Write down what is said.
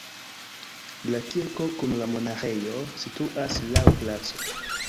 La kirko kun la monaĥejo situas laŭ placo.